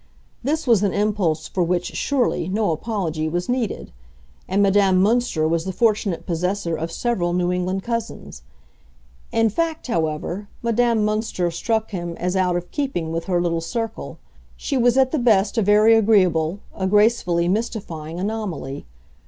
This was an impulse for which, surely, no apology was needed; and Madame Münster was the fortunate possessor of several New England cousins. In fact, however, Madame Münster struck him as out of keeping with her little circle; she was at the best a very agreeable, a gracefully mystifying anomaly.